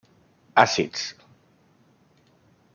Àcids: